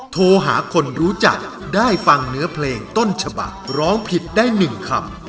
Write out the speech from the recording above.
โทรหาคนรู้จักได้ฟังเนื้อเพลงต้นฉบักร้องผิดได้๑คำ